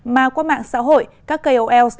mà qua mạng xã hội các kol